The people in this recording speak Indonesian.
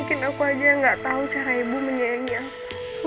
mungkin aku aja gak tau cara ibu menyayangnya